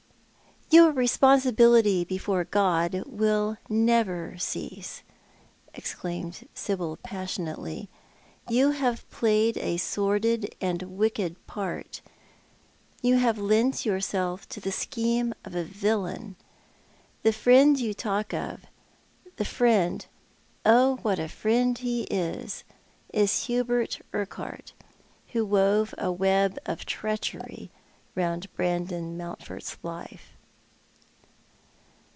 " Your responsibility before God will never cease," exclaimed Sibyl passionately. " You have played a sordid and wicked part^ — you have lent yourself to the scheme of a villain. The friend you talk of — the friend — oh, what a friecd — is Hubert Urquhart, who wove a web of treachery round Brandon Mount ford's life."